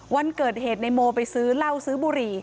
วันเกิดเหตุในโมไปซื้อเหล้าซื้อบุหรี่